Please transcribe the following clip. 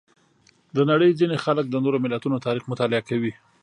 د نړۍ ځینې خلک د نورو ملتونو تاریخ مطالعه کوي.